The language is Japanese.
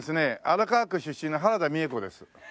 荒川区出身の原田美枝子です。